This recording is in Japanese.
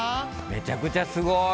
めちゃくちゃすごい！